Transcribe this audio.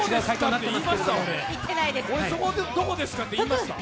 そこどこですかって言いました？